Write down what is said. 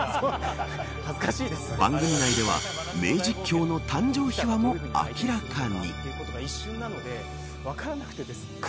番組内では名実況の誕生秘話も明らかに。